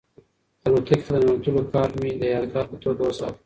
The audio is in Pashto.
الوتکې ته د ننوتلو کارډ مې د یادګار په توګه وساته.